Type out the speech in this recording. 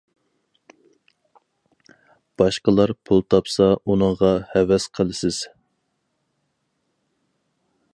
باشقىلار پۇل تاپسا ئۇنىڭغا ھەۋەس قىلىسىز.